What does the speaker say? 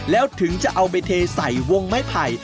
แล้วถึงจะเอาไปเทใส่วงไม้ไผ่